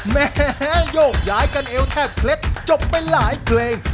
แม่โยกย้ายกันเอวแทบเคล็ดจบไปหลายเพลง